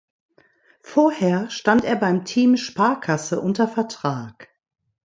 Vorher stand er beim Team Sparkasse unter Vertrag.